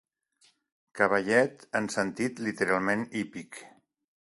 Cavallet en sentit literalment hípic.